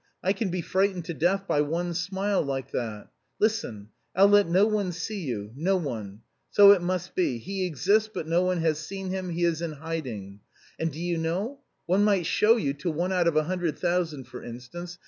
I can be frightened to death by one smile like that. Listen. I'll let no one see you, no one. So it must be. He exists, but no one has seen him; he is in hiding. And do you know, one might show you, to one out of a hundred thousand, for instance.